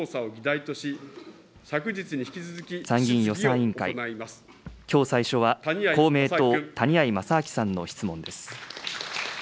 参議院予算委員会、きょう最初は、公明党、谷合正明さんの質問です。